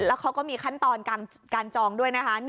แล้วเขาก็มีขั้นตอนการจองด้วยนะคะ